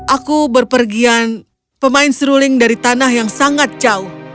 aku berpergian pemain seruling dari tanah yang sangat jauh